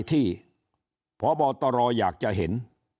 ที่พบตรอยากจะเห็น